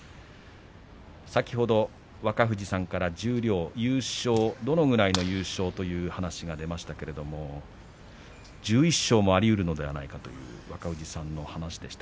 先ほど若藤さんから十両どのくらいで優勝という話が出ましたけれども１１勝もありうるのではないかという若藤さんの話でした。